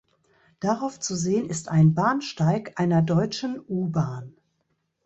Darauf zu sehen ist ein Bahnsteig einer deutschen U-Bahn.